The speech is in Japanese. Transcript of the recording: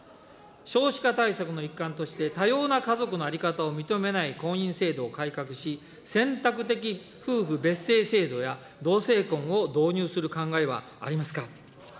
少子化対策の一環として、多様な家族の在り方を認めない婚姻制度を改革し、選択的夫婦別姓制度や同性婚を導入する考えはありますか。